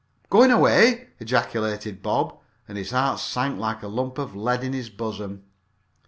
"Going away!" ejaculated Bob, and his heart sank like a lump of lead in his bosom.